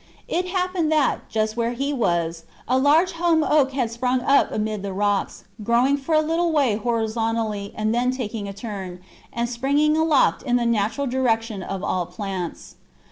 It happened that, just where he was, a huge holm oak had sprung up amid the rocks, growing for a little way horizontally and then taking a turn, and spring ing aloft in the natural direction of all plants.